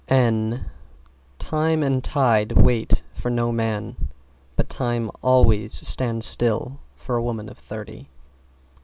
N Time and tide wait for no man But time always stands still for a woman of thirty.